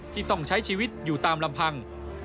ที่ต้องใช้ชีวิตอยู่ตามลำพัง